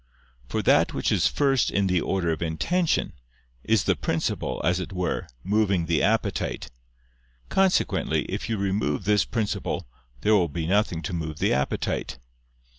For that which is first in the order of intention, is the principle, as it were, moving the appetite; consequently, if you remove this principle, there will be nothing to move the appetite.